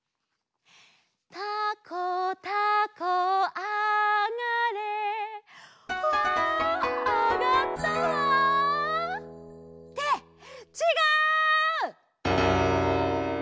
「たこたこあがれ」わあがったわ！ってちがう！